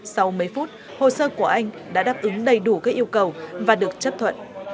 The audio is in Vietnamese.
sau mấy phút hồ sơ của anh đã đáp ứng đầy đủ các yêu cầu và được chấp thuận